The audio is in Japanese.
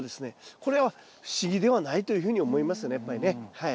これは不思議ではないというふうに思いますねやっぱりねはい。